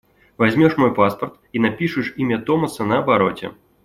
Возьмешь мой паспорт и напишешь имя Томаса на обороте.